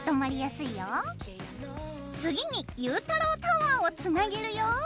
次にゆうたろうタワーをつなげるよ。